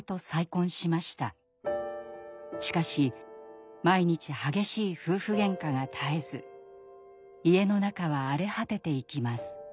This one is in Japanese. しかし毎日激しい夫婦げんかが絶えず家の中は荒れ果てていきます。